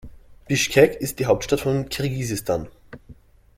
Bischkek ist die Hauptstadt von Kirgisistan.